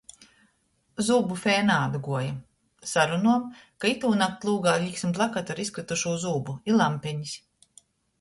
Zūbu feja naatguoja. Sarunuojom, ka itūnakt lūgā liksi plakatu ar izkrytušū zūbu i lampenis.